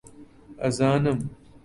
ئەزانم